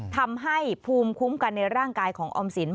ทำให้ภูมิคุ้มกันในร่างกายของออมสิน